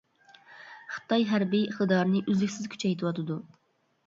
خىتاي ھەربىي ئىقتىدارىنى ئۈزلۈكسىز كۈچەيتىۋاتىدۇ.